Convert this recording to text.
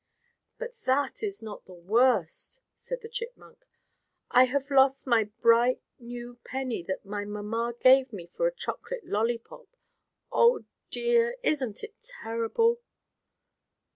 "But that is not the worst," said the chipmunk. "I have lost my bright, new penny that my mamma gave me for a chocolate lollypop. Oh dear. Isn't it terrible."